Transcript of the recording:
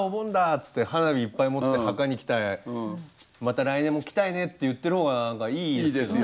つって花火いっぱい持って墓に来て「また来年も来たいね」って言ってる方がいいですよね